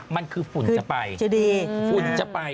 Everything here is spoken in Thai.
มันคือฝุ่นจะไปฝุ่นจะไป